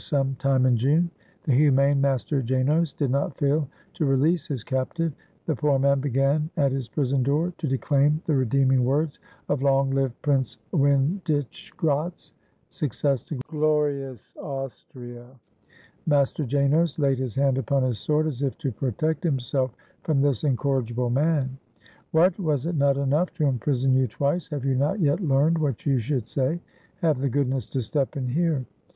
It was some time in June. The humane Master Janos did not fail to release his captive. The poor man began at his prison door to de claim the redeeming words of "Long live Prince Win dischgratz! success to glorious Austria!" Master Janos laid his hand upon his sword, as if to protect himself from this incorrigible man. "What! was it not enough to imprison you twice? Have you not yet learned what you should say? Have the goodness to step in here."